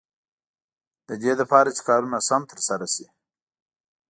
د دې لپاره چې کارونه سم تر سره شي.